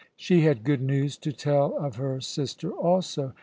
She had good news to tell of her sister also.